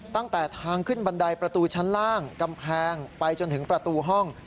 ตั้งแต่ทางขึ้นบันไดประตูชั้นล่างกำแพงไปจนถึงประตูห้อง